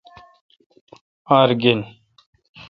آر گین۔